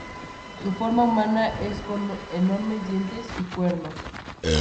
Su forma humana es con enormes dientes y cuernos.